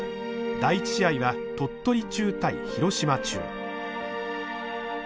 第１試合は鳥取中対廣島中。